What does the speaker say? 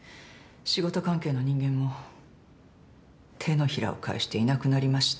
仕事関係の人間も手のひらを返していなくなりました。